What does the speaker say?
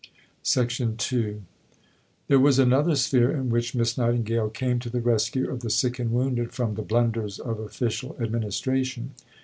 II There was another sphere in which Miss Nightingale came to the rescue of the sick and wounded from the blunders of official administration.